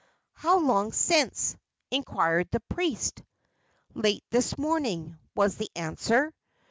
"How long since?" inquired the priest. "Late this morning," was the answer.